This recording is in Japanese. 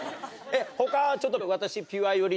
他ちょっと私。